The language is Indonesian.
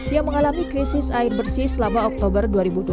yang mengalami krisis air bersih selama oktober dua ribu dua puluh